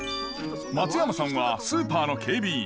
松山さんはスーパーの警備員。